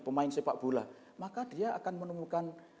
pemain sepak bola maka dia akan menemukan